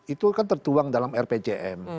itu kan tertuang dalam rpjm